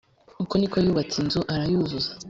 Uko ni ko yubatse inzu arayuzuza